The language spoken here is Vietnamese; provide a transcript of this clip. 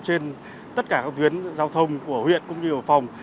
trên tất cả các tuyến giao thông của huyện cũng như của phòng